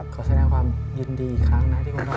ก็แสดงเรื่องความยินดีอีกครั้งนะ